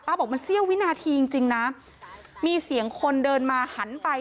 บอกมันเสี้ยววินาทีจริงนะมีเสียงคนเดินมาหันไป